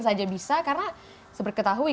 saja bisa karena seperti ketahui